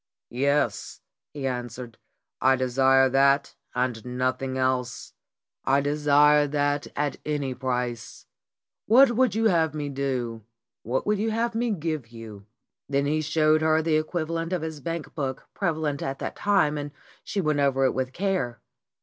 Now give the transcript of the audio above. "Yes," he answered, "I desire that and nothing else. I desire that at any price. What would you have me do, what would you have me give you?" Then he showed her the equivalent of his bank book prevalent at that time, and she went over it with care.